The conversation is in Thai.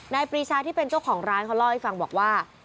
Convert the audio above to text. ปรีชาที่เป็นเจ้าของร้านเขาเล่าให้ฟังบอกว่า